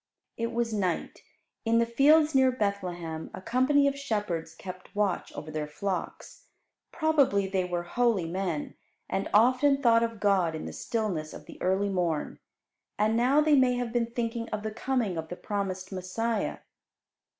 It was night. In the fields near Bethlehem a company of shepherds kept watch over their flocks. Probably they were holy men, and often thought of God in the stillness of the early morn. And now they may have been thinking of the coming of the promised Messiah.